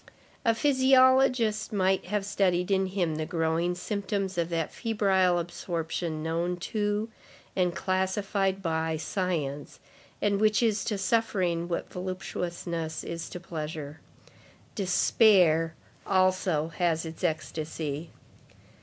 A physiologist might have studied in him the growing symptoms of that febrile absorption known to, and classified by, science, and which is to suffering what voluptuousness is to pleasure. Despair, also, has its ecstasy.